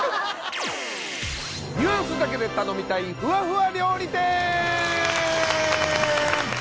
ニュアンスだけで頼みたいふわふわ料理店！